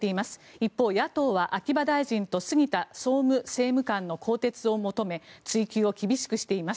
一方、野党は秋葉大臣と杉田総務政務官の更迭を求め追及を厳しくしています。